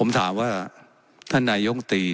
และยังเป็นประธานกรรมการอีก